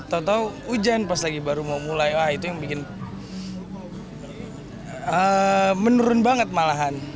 tau tau hujan pas lagi baru mau mulai wah itu yang bikin menurun banget malahan